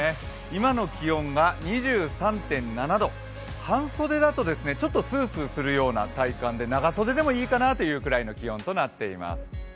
今の気温が２３．７度、半袖だとちょっとスースーするような体感で、長袖でもいいかなぐらいの体感となっています。